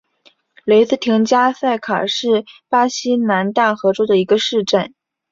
雷斯廷加塞卡是巴西南大河州的一个市镇。